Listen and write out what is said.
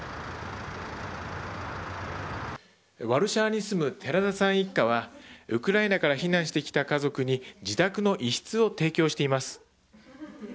ワルシャワに住む寺田さん一家はウクライナから避難してきた家族に自宅の一室を提供しています。